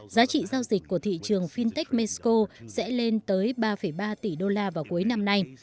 giá trị giao dịch của thị trường fintech mexico sẽ lên tới ba ba tỷ đô la vào cuối năm nay